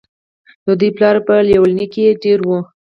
د دوي پلار پۀ ليلونۍ کښې دېره وو